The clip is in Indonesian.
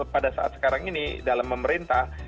pada saat sekarang ini dalam memerintah